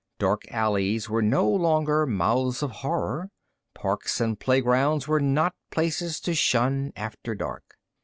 Dark alleys were no longer mouths of horror. Parks and playgrounds were not places to shun after dusk.